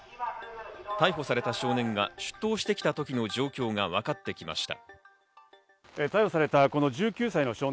逮捕された少年が出頭してきた時の状況が分かってきました。